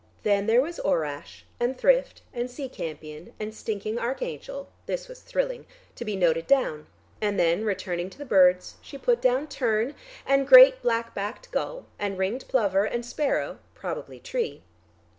Then there was orache and thrift, and sea campion and stinking Archangel (this was thrilling) to be noted down, and then, returning to the birds, she put down tern, and great black backed gull, and ringed plover and sparrow (probably Tree).